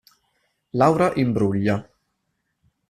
Laura Imbruglia